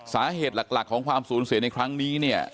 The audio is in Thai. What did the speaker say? สาเหตุหลักของความสูญเสียในครั้งนี้เนี่ย